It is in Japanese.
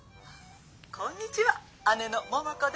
こんにちは姉の桃子です。